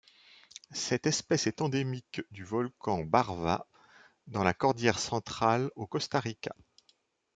Cette espèce est endémique du volcan Barva dans la cordillère Centrale au Costa Rica.